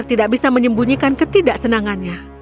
tidak bisa menyembunyikan ketidaksenangannya